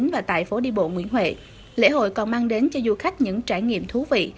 và tại phố đi bộ nguyễn huệ lễ hội còn mang đến cho du khách những trải nghiệm thú vị